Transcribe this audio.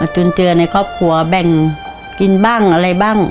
จนเจอในครอบครัวแบ่งกินบ้างอะไรบ้าง